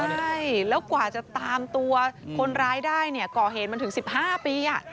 ใช่แล้วกว่าจะตามตัวคนร้ายได้เนี่ยก่อเหตุมันถึง๑๕ปี